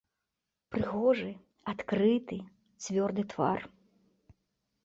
Прыгожы, адкрыты, цвёрды твар.